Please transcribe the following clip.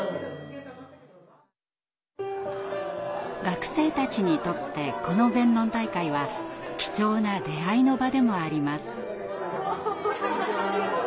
学生たちにとってこの弁論大会は貴重な出会いの場でもあります。